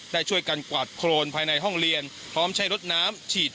ได้ช่วยกันกวาดโครนภายในห้องเรียนพร้อมใช้รถน้ำฉีด